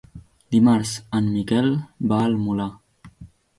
Dimarts en Miquel va al Molar.